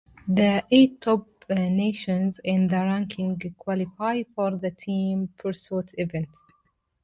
The eight top nations in the rankings qualify for the team pursuit event.